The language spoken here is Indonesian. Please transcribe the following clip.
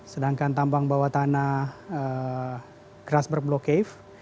sedangkan tambang bawah tanah grass berblock cave